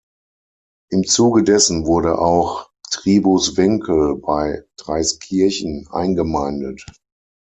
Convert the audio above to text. Im Zuge dessen wurde auch Tribuswinkel bei Traiskirchen eingemeindet.